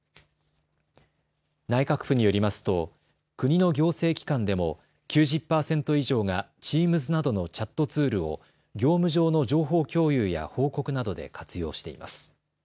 内閣府によりますと国の行政機関でも９０％以上がＴｅａｍｓなどのチャットツールを業務上の情報共有や報告などで活用しています。